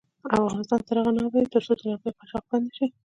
افغانستان تر هغو نه ابادیږي، ترڅو د لرګیو قاچاق بند نشي.